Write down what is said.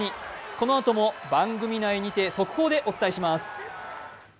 このあとも番組内にて速報でお伝えします。